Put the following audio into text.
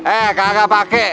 eh kagak pake